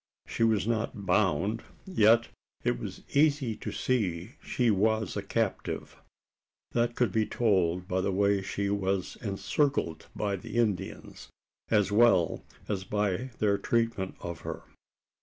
She was not bound, yet it was easy to see she was a captive. That could be told by the way she was encircled by the Indians, as well as by their treatment of her.